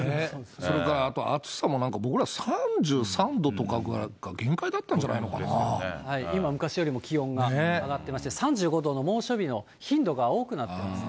それからあと、暑さ、僕ら、３３度とかぐらいが限界だったん今、昔よりも気温が上がってまして、３５度の猛暑日の頻度が多くなってますね。